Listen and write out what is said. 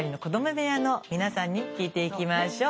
部屋の皆さんに聞いていきましょう！